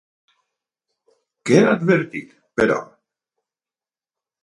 Què ha advertit, però?